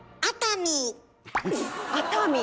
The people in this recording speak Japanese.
熱海？